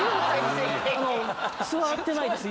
座ってないです。